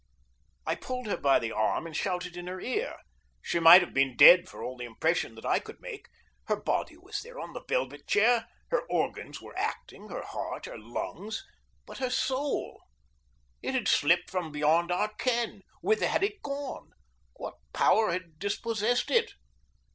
I pulled her by the arm and shouted in her ear. She might have been dead for all the impression that I could make. Her body was there on the velvet chair. Her organs were acting her heart, her lungs. But her soul! It had slipped from beyond our ken. Whither had it gone? What power had dispossessed it?